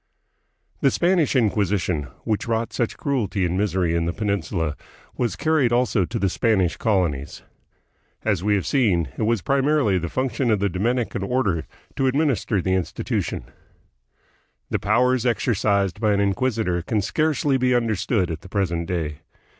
The Spanish Inquisition, which wrought such cruelty and misery in the Peninsula, was carried also to the Spanish colonies. As we have seen, it was primarily the : ;.::"tion of the Dominican order to administer the institu 212 A CENTURY OF OBSCURITY. 1663 1762. 213 tion. The powers exercised by an inquisitor can scarcely be understood at the present day.